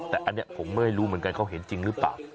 แต่อันนี้ผมไม่รู้เหมือนกันเขาเห็นจริงหรือเปล่า